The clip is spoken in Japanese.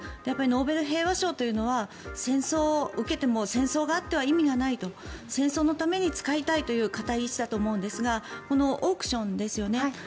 やっぱりノーベル平和賞というのは受けても戦争があっては意味がないと戦争のために使いたいという固い意思だと思うんですがこのオークションですよね